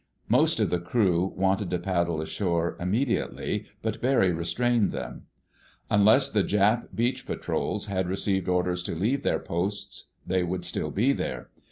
Most of the crew wanted to paddle ashore immediately, but Barry restrained them. Unless the Jap beach patrols had received orders to leave their posts, they would still be there.